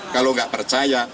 kalau nggak percaya